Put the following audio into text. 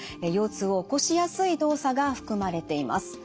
腰痛を起こしやすい動作が含まれています。